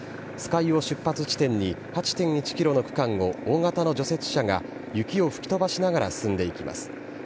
酸ヶ湯を出発地点に８．１キロの区間を大型の除雪車が雪を吹き飛ばしながら進んでいきます。